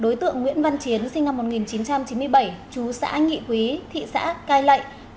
đối tượng nguyễn văn chiến sinh năm một nghìn chín trăm chín mươi bảy chú xã nghị quý thị xã cai lệ